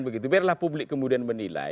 biar lah publik kemudian menilai